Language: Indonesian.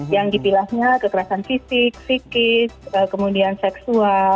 yang dipilahnya kekerasan fisik psikis kemudian seksual